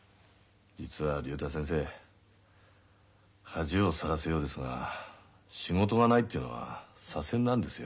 実は竜太先生恥をさらすようですが仕事がないっていうのは左遷なんですよ。